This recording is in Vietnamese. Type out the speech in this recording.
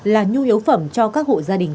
là nhu yếu phẩm cho các hộ gia đình